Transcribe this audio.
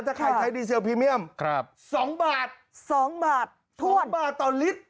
ถ้าใครใช้ดีเซลพรีเมี่ยมครับสองบาทสองบาทถ้วนสองบาทต่อลิตร